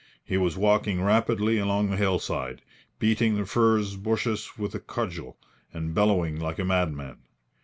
He was walking rapidly along the hillside, beating the furze bushes with a cudgel and bellowing like a madman.